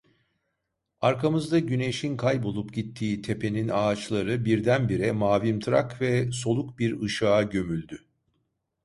Arkamızda güneşin kaybolup gittiği tepenin ağaçları birdenbire mavimtırak ve soluk bir ışığa gömüldü.